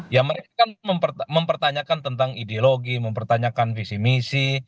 ya mereka kan mempertanyakan tentang ideologi mempertanyakan visi misi